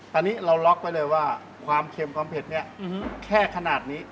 ตอนนี้เราล็อกไว้เลยว่าความเค็มความเผ็ดเนี่ยแค่ขนาดนี้